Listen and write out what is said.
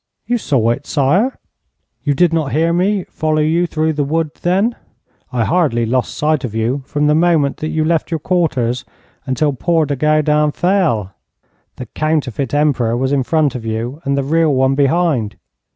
'You saw it, sire!' 'You did not hear me follow you through the wood, then? I hardly lost sight of you from the moment that you left your quarters until poor De Goudin fell. The counterfeit Emperor was in front of you and the real one behind.